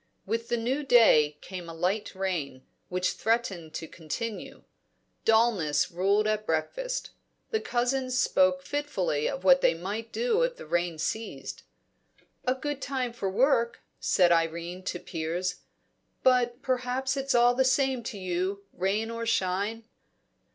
With the new day came a light rain, which threatened to continue. Dullness ruled at breakfast. The cousins spoke fitfully of what they might do if the rain ceased. "A good time for work," said Irene to Piers. "But perhaps it's all the same to you, rain or shine?